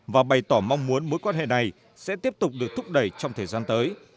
và bày tỏ mong muốn mối quan hệ này sẽ tiếp tục được thúc đẩy trong thời gian tới